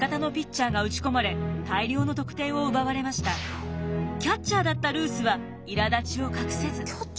この日味方のキャッチャーだったルースはいらだちを隠せず。